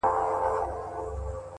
o په نن پسي سبا سته٫